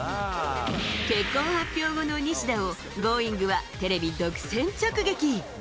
結婚発表後の西田を、Ｇｏｉｎｇ！はテレビ独占直撃。